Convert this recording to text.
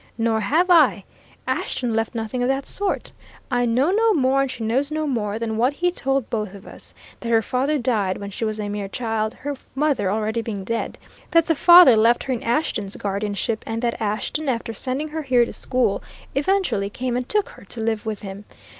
Nor have I. Ashton left nothing of that sort. I know no more, and she knows no more, than what he told both of us that her father died when she was a mere child, her mother already being dead, that the father left her in Ashton's guardianship, and that Ashton, after sending her here to school, eventually came and took her to live with him.